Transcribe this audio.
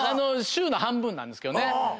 週の半分なんですけどね。